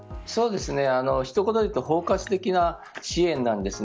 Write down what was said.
一言で言うと包括的な支援なんですね。